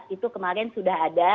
empat belas itu kemarin sudah ada